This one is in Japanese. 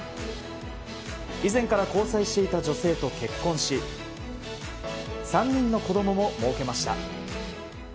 以前から交際していた女性と結婚し３人の子供ももうけました。